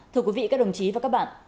thưa quý vị các đồng chí và các bạn